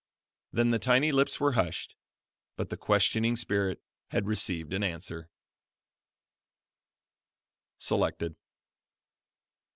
Then the tiny lips were hushed, but the questioning spirit had received an answer. Selected.